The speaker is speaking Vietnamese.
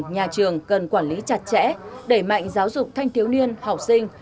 nhà trường cần quản lý chặt chẽ đẩy mạnh giáo dục thanh thiếu niên học sinh